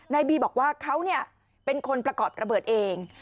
นายบีบอกว่าเขาเป็นคนประกอบระเบิดเอง